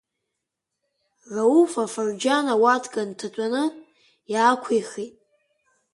Рауф афырџьан ауатка нҭаҭәаны, иаақәихит.